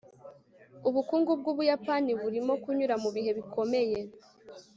Ubukungu bwUbuyapani burimo kunyura mubihe bikomeye